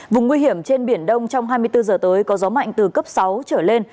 vùng nguy hiểm trên biển đông trong hai mươi bốn giờ tới có gió mạnh từ cấp sáu trở lên